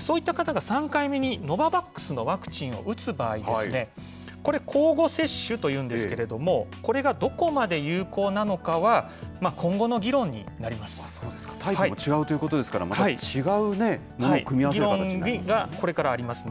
そういった方が３回目にノババックスのワクチンを打つ場合、これ、交互接種というんですけれども、これがどこまで有効なのかは、今タイプも違うということですから、また違う組み合わせとなりますね。